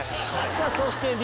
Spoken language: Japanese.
さあそしてＤ。